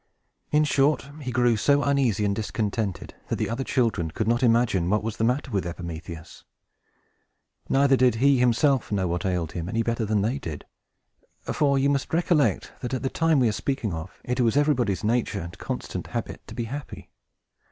In short, he grew so uneasy and discontented, that the other children could not imagine what was the matter with Epimetheus. Neither did he himself know what ailed him, any better than they did. For you must recollect that, at the time we are speaking of, it was everybody's nature, and constant habit, to be happy.